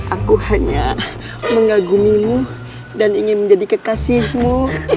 aku hanya mengagumimu dan ingin menjadi kekasihmu